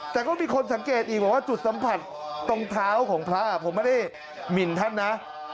แต่ก็มีคนสังเกตอีกบอกว่าจุดสัมผัสตรงเท้าของพระผมไม่ได้หมินท่านนะ